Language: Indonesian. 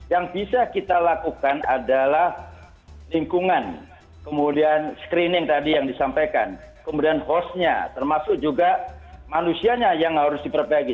yang bisa kita lakukan adalah lingkungan kemudian screening tadi yang disampaikan kemudian hostnya termasuk juga manusianya yang harus diperbaiki